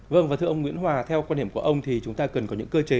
vâng và thưa ông nguyễn hòa theo quan điểm của ông thì chúng ta cần có những cơ chế